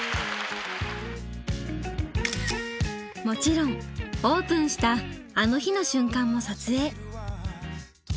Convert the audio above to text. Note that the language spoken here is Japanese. もちろんオープンした「あの日」の瞬間も撮影。